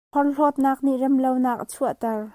Porhlawtnak nih remlonak a chuahter.